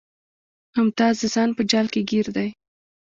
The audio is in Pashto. ممتاز د ځان په جال کې ګیر دی